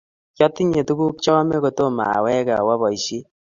Kyatinye tuguk chaame kotomo awektegei awo boishiet